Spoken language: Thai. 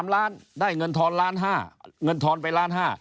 ๓ล้านได้เงินทอน๑๕๐๐๐๐๐บาทเงินทอนไป๑๕๐๐๐๐๐บาท